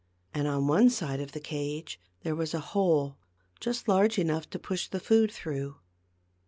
And on one side of the cage there was a hole just large enough to push the food through.